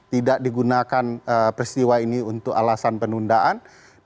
tidak digunakan peristiwa ini untuk alasan penundaan